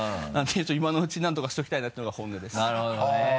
今のうちになんとかしておきたいなっていうのが本音です。